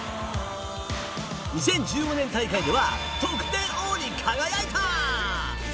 ２０１５年大会では得点王に輝いた。